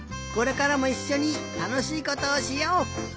これからもいっしょにたのしいことをしよう！